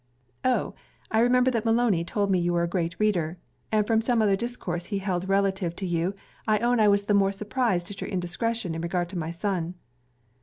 'Oh! I remember that Maloney told me you was a great reader; and from some other discourse he held relative to you, I own I was the more surprised at your indiscretion in regard to my son.'